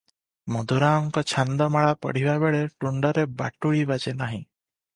ମଧୁରାଓଙ୍କ ଛାନ୍ଦମାଳା ପଢ଼ିବା ବେଳେ ତୁଣ୍ଡରେ ବାଟୁଳି ବାଜେ ନାହିଁ ।